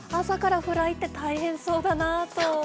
朝からフライって大変そうだなと。